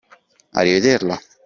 A rivederla!